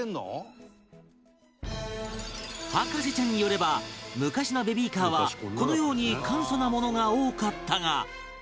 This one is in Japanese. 博士ちゃんによれば昔のベビーカーはこのように簡素なものが多かったが